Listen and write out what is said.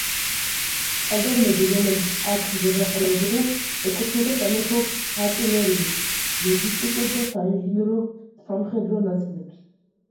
ყაზარმები, რომელიც აქ მდებარეობდა ეკუთვნოდა სამეფო არტილერიის, ლოჯისტიკურ და საინჟინრო სამხედრო ნაწილებს.